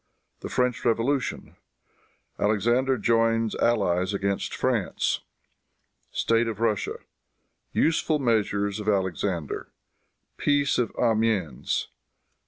The French Revolution. Alexander Joins Allies Against France. State of Russia. Useful Measures of Alexander. Peace of Amiens.